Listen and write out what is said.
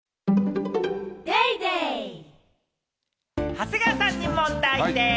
長谷川さんに問題でぃす。